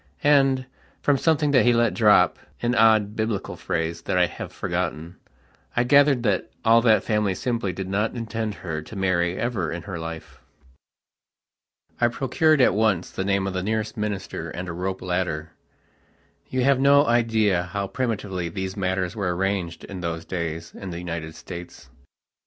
And, from something that he let dropan odd Biblical phrase that I have forgottenI gathered that all that family simply did not intend her to marry ever in her life. I procured at once the name of the nearest minister and a rope ladderyou have no idea how primitively these matters were arranged in those days in the United States.